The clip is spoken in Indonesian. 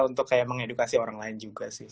untuk kayak mengedukasi orang lain juga sih